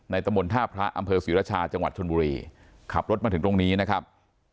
ตะมนต์ท่าพระอำเภอศรีรชาจังหวัดชนบุรีขับรถมาถึงตรงนี้นะครับ